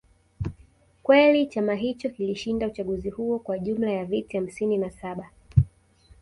kweli chama hicho kilishinda uchaguzi huo kwa jumla ya viti hamsini na saba